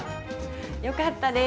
よかったです。